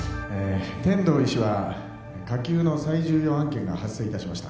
天堂医師は火急の最重要案件が発生いたしました